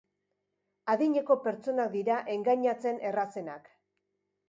Adineko pertsonak dira engainatzen errazenak.